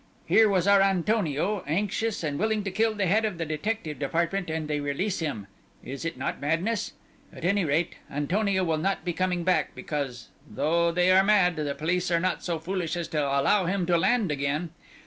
"Here was our Antonio, anxious and willing to kill the head of the detective department, and they release him! Is it not madness? At any rate, Antonio will not be coming back, because though they are mad, the police are not so foolish as to allow him to land again.